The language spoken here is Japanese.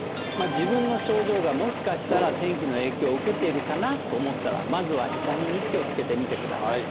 自分の症状がもしかしたら天気の影響を受けているかなと思ったらまずは「痛み日記」をつけてみてください。